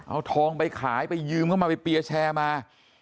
เอาทองไปขายไปยืมเข้ามาไปเปียร์แชร์มา